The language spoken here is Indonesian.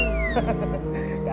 gak ada yang ngeliat